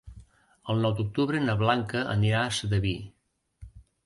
El nou d'octubre na Blanca anirà a Sedaví.